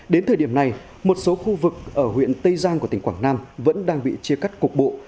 đến thời điểm này một số khu vực ở huyện tây giang của tỉnh quảng nam vẫn đang bị chia cắt cục bộ